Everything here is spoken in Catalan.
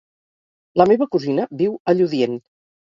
La meva cosina viu a Lludient.